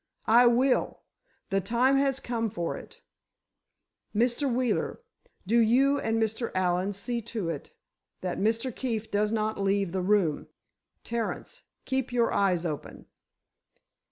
"I will. The time has come for it. Mr. Wheeler, do you and Mr. Allen see to it, that Mr. Keefe does not leave the room. Terence—keep your eyes open."